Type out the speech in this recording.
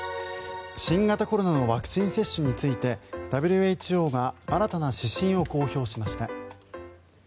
新型コロナのワクチン接種について、ＷＨＯは新たな指針を公表しました。